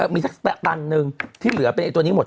มีสักตันหนึ่งที่เหลือเป็นตัวนี้หมด